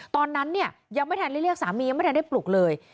ตอนนั้นเนี่ยยังไม่ทันได้เรียกสามียังไม่ทันได้ปลุกเลย